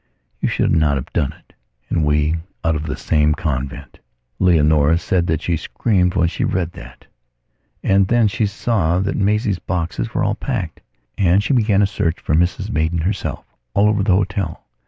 You should not have done it, and we out of the same convent...." Leonora said that she screamed when she read that. And then she saw that Maisie's boxes were all packed, and she began a search for Mrs Maidan herselfall over the hotel.